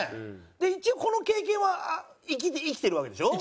で一応この経験は生きてるわけでしょ？